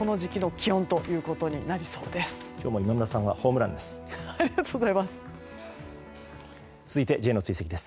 今日も今村さんはホームランです。